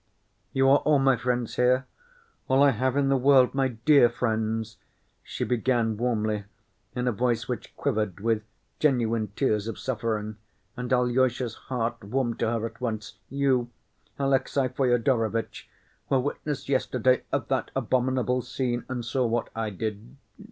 "You are all my friends here, all I have in the world, my dear friends," she began warmly, in a voice which quivered with genuine tears of suffering, and Alyosha's heart warmed to her at once. "You, Alexey Fyodorovitch, were witness yesterday of that abominable scene, and saw what I did.